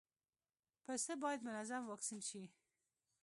پسه باید منظم واکسین شي.